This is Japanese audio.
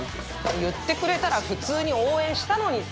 言ってくれたら普通に応援したのにさ。